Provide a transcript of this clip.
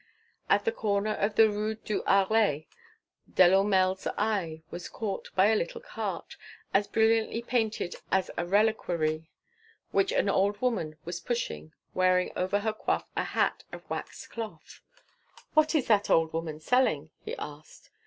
At the corner of the Rue du Harlay Delourmel's eye was caught by a little cart, as brilliantly painted as a reliquary, which an old woman was pushing, wearing over her coif a hat of waxed cloth. "What is that old woman selling?" he asked.